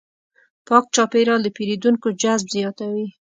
پاک چاپېریال د پیرودونکو جذب زیاتوي.